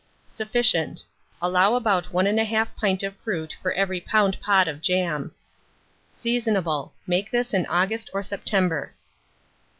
Sufficient. Allow about 1 1/2 pint of fruit for every lb. pot of jam. Seasonable. Make this in August or September.